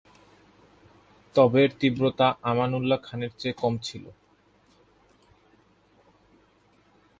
তবে এর তীব্রতা আমানউল্লাহ খানের চেয়ে কম ছিল।